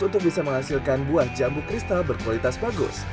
untuk bisa menghasilkan buah jambu kristal berkualitas bagus